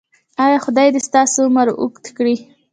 ایا خدای دې ستاسو عمر اوږد کړي؟